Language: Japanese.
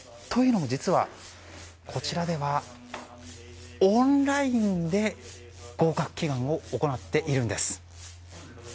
というのも実はこちらではオンラインで合格祈願を行っているんです。